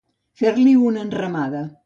Fer-li una enramada.